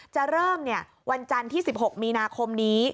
จะเริ่มวันจันทร์ที่๑๖มีนาคมนี้